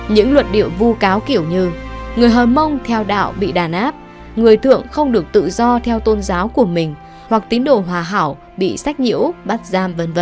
những luận điệu vu cáo kiểu như người hờ mông theo đạo bị đàn áp người thượng không được tự do theo tôn giáo của mình hoặc tín đồ hòa hảo bị sách nhiễu bắt giam v v